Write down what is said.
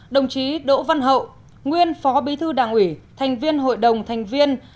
đồng chí đỗ văn hậu nguyên phó bí thư đảng ủy thành viên hội đồng thành viên